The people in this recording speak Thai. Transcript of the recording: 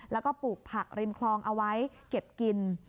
แล้วก็ปลูกผักริมคลองเอาไว้เก็บกิน